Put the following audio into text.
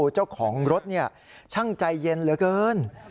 เจ้าของรถช่างใจเย็นเหลือเกิน